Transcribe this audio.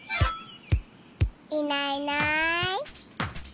いないいない。